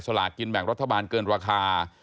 สลากกินแบบรถบาลเกินราคา